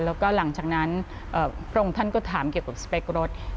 แล้วก็หลังจากนั้นพระองค์ท่านก็ถามเกี่ยวกับสเปครถ